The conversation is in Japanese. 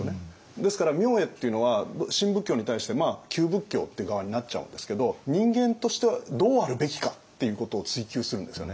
ですから明恵っていうのは新仏教に対して旧仏教という側になっちゃうんですけどっていうことを追求するんですよね。